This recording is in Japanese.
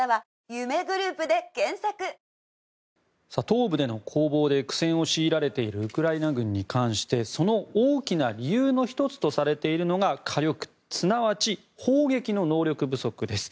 東部での攻防で苦戦を強いられているウクライナ軍に関してその大きな理由の１つとされているのが火力、すなわち砲撃の能力不足です。